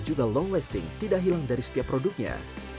dan juga long lasting tidak hilang dari setiap produknya